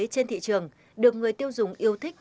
trên thị trường được người tiêu dùng yêu thích